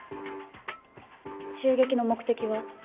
襲撃の目的は？